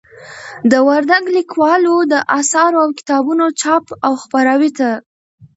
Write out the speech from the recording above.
د وردگ ليكوالو د آثارو او كتابونو چاپ او خپراوي ته